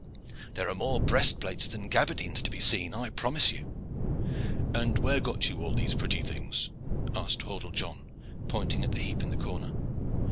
There are more breastplates than gaberdines to be seen, I promise you." "And where got you all these pretty things?" asked Hordle John, pointing at the heap in the corner.